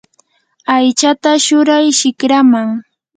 aychata churay shikraman.